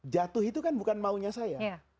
jatuh itu kan bukan maunya saya